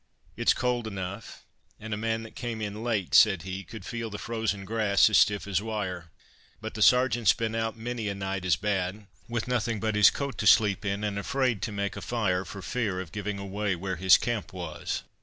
"It's cold enough, and a man that came in late," said he, "could feel the frozen grass as stiff as wire. But the Sergeant's been out many a night as bad, with nothing but his coat to sleep in, and afraid to make a fire for fear of giving away where his camp was."